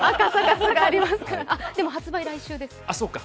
あ、でも発売は来週です。